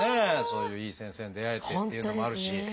そういういい先生に出会えてっていうのもあるし。